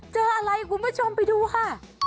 เจออะไรคุณผู้ชมไปดูค่ะ